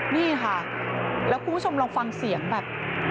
นี่ค่ะแล้วคุณผู้ชมลองฟังเสียงแบบ